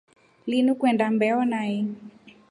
Lindu kwenda mbeo nai.